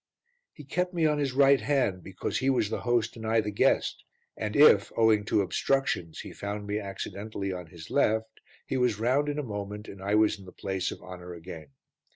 He kept me on his right hand because he was the host and I the guest, and if, owing to obstructions, he found me accidentally on his left he was round in a moment and I was in the place of honour again.